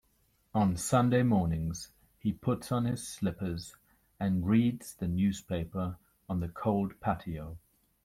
On Sunday mornings, he puts on his slippers and reads the newspaper on the cold patio.